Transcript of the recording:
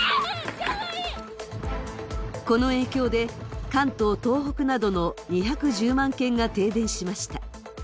この影響で完投・東北などの２１０万軒が停電しました。